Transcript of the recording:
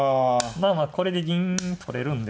まあまあこれで銀取れるんで。